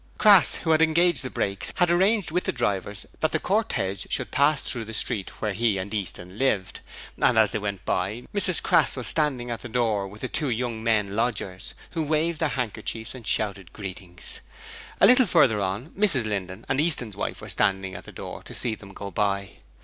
Crass who had engaged the brakes had arranged with the drivers that the cortege should pass through the street where he and Easton lived, and as they went by Mrs Crass was standing at the door with the two young men lodgers, who waved their handkerchiefs and shouted greetings. A little further on Mrs Linden and Easton's wife were standing at the door to see them go by.